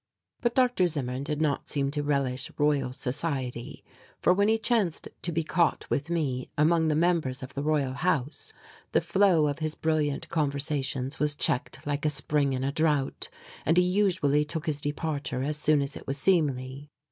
But Dr. Zimmern did not seem to relish royal society, for when he chanced to be caught with me among the members of the Royal House the flow of his brilliant conversations was checked like a spring in a drought, and he usually took his departure as soon as it was seemly.